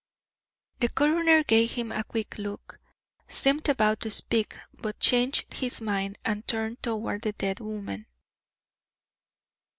The coroner gave him a quick look, seemed about to speak, but changed his mind and turned toward the dead woman.